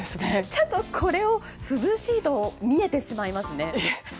ちょっとこれを涼しいと見えてしまいますね。